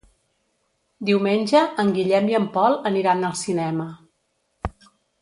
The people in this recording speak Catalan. Diumenge en Guillem i en Pol aniran al cinema.